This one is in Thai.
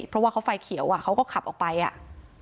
เพราะว่าเขาไฟเขียวอ่ะเขาก็ขับออกไปอ่ะ